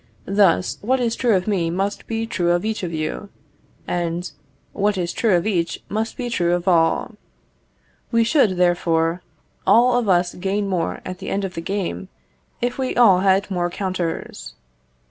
Thus, what is true of me must be true of each of you, and what is true of each must be true of all. We should, therefore, all of us gain more, at the end of the game, if we all had more counters.